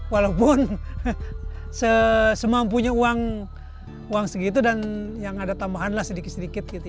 walaupun semampunya uang segitu dan yang ada tambahan sedikit sedikit gitu